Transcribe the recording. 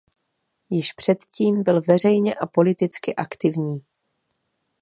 Již předtím byl veřejně a politicky aktivní.